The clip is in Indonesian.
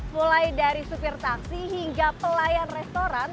mulai dari supir taksi hingga pelayan restoran